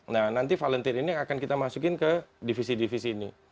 nah nanti volunteer ini akan kita masukin ke divisi divisi ini